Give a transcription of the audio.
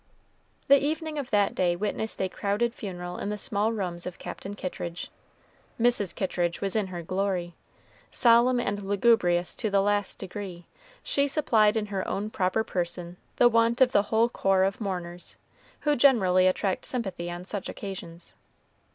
The evening of that day witnessed a crowded funeral in the small rooms of Captain Kittridge. Mrs. Kittridge was in her glory. Solemn and lugubrious to the last degree, she supplied in her own proper person the want of the whole corps of mourners, who generally attract sympathy on such occasions.